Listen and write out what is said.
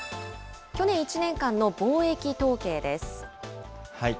去年１年間の貿易統計です。